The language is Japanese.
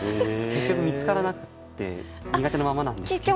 結局、見つからなくて苦手なままなんですけど。